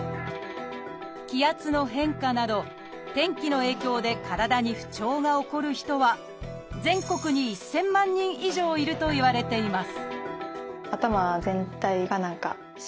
気圧の変化など天気の影響で体に不調が起こる人は全国に１，０００万人以上いるといわれています